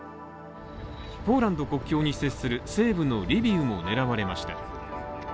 ポーランド国境に接する西部のリビウも狙われました。